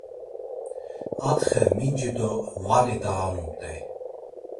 Atxe minci do vali t̆ağanumt̆ey.